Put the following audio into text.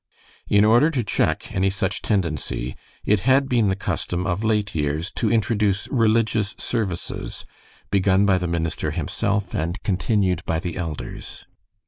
In order to check any such tendency, it had been the custom of late years to introduce religious services, begun by the minister himself and continued by the elders.